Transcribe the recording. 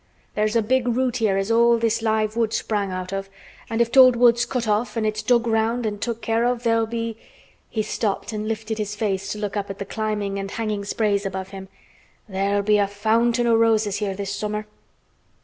There's a big root here as all this live wood sprung out of, an' if th' old wood's cut off an' it's dug round, and took care of there'll be—" he stopped and lifted his face to look up at the climbing and hanging sprays above him—"there'll be a fountain o' roses here this summer."